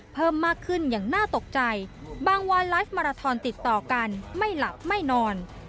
เพิ่มมากขึ้นอย่างน่าตกใจบางวันไลฟ์มาราทอนติดต่อกันไม่หลับไม่นอน